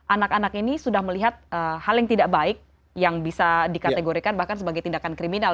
anak anak ini sudah melihat hal yang tidak baik yang bisa dikategorikan bahkan sebagai tindakan kriminal